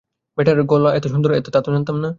Batter গলা এত সুন্দর তাতো জানতাম না।